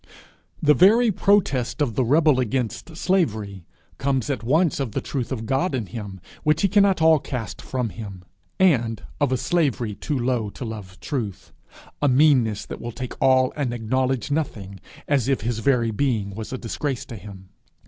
The very protest of the rebel against slavery, comes at once of the truth of God in him, which he cannot all cast from him, and of a slavery too low to love truth a meanness that will take all and acknowledge nothing, as if his very being was a disgrace to him.